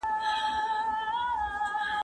زه پرون شګه پاکوم،